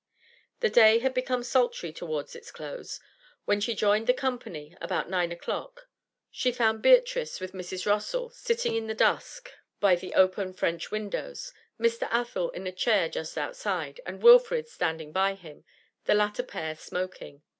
The day had become sultry towards its close; when she joined the company about nine o'clock, she found Beatrice with Mrs. Rossall sitting in the dusk by the open French windows, Mr. Athel in a chair just outside, and Wilfrid standing by him, the latter pair smoking.